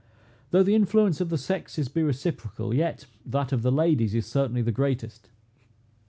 Though the influence of the sexes be reciprocal, yet that of the ladies is certainly the greatest.